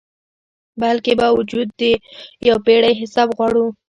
بلکي باوجود د یو پیړۍ حساب غواړو